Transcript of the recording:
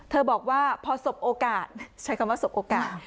บอกว่าพอสบโอกาสใช้คำว่าสบโอกาส